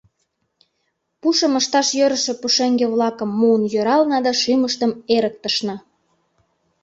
Пушым ышташ йӧрышӧ пушеҥге-влакым муын йӧрална да шӱмыштым эрыктышна.